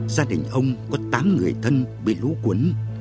gia đình ông có tám người thân bị lũ cuốn